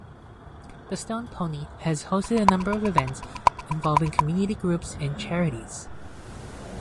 The Stone Pony has hosted a number of events involving community groups and charities.